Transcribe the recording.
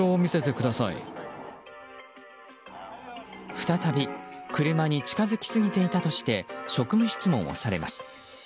再び車に近づきすぎていたとして職務質問をされます。